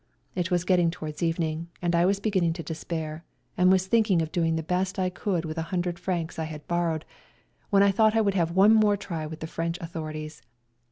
It was getting to wards evening, and I was beginning to despair, and was thinking of doing the best I could with a hundred francs I had borrowed, when I thought I would have one more try with the French authorities.